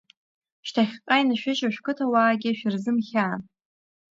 Шьҭахьҟа иншәыжьуа шәқыҭауаагьы шәырзымхьаан.